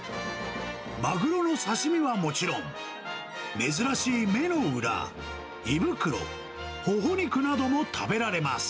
マグロの刺身はもちろん、珍しい目の裏、胃袋、ホホ肉なども食べられます。